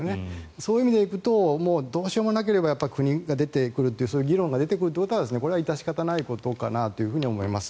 そういう意味で行くとどうしようもなければ国が出てくるという議論が出てくることはこれは致し方ないことかなと思います。